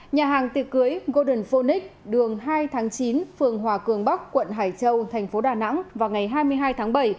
nhà hàng tiệc cưới golden fonic đường hai tháng chín phường hòa cường bắc quận hải châu thành phố đà nẵng vào ngày hai mươi hai tháng bảy